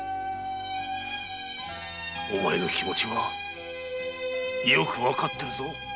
お前の気持ちはよく判ってるぞ。